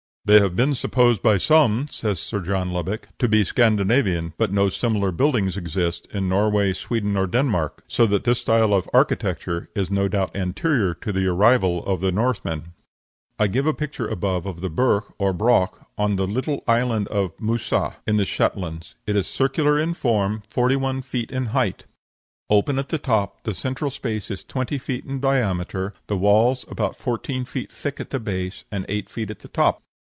"They have been supposed by some," says Sir John Lubbock, "to be Scandinavian, but no similar buildings exist in Norway, Sweden, or Denmark, so that this style of architecture is no doubt anterior to the arrival of the Northmen." I give above a picture of the Burgh or Broch of the little island of Moussa, in the Shetlands. It is circular in form, forty one feet in height. Open at the top; the central space is twenty feet in diameter, the walls about fourteen feet thick at the base, and eight feet at the top.